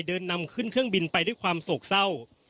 เดินนำขึ้นเครื่องบินไปด้วยความโศกเศร้า